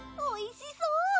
おいしそう！